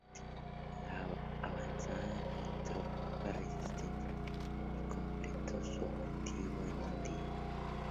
La avanzada encontró poca resistencia y completó su objetivo en un día.